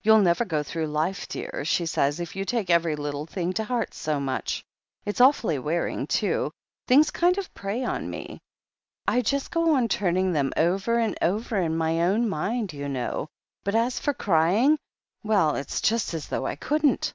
'You'll never go through life, dear,' she says, 'if you take every little thing to heart so much.' It's awfully wearing, too — ^things kind of prey on me. I just go on turning them over and over in my own mind, you know. But as for crying — ^well, it's just as though THE HEEL OF ACHILLES 135 I couldn't.